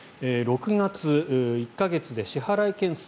６月１か月で支払い件数